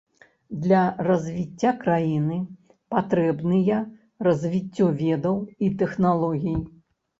Для развіцця краіны патрэбныя развіццё ведаў і тэхналогій.